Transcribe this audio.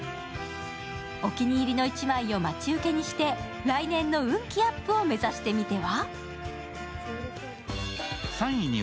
お気に入りの１枚を待ち受けにして来年の運気アップを目指してみては。